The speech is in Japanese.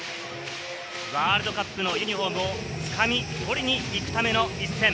ワールドカップのユニホームをつかみ取りに行くための一戦。